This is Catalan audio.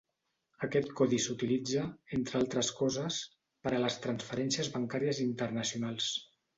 Aquest codi s'utilitza, entre altres coses, per a les transferències bancàries internacionals.